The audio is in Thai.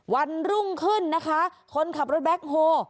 วันรุ่งขึ้นนะคะคนขับรถแบ็คโฮ